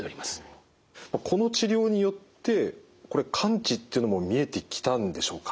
この治療によって完治っていうのも見えてきたんでしょうか？